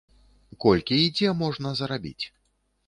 Колькі і дзе можна зарабіць?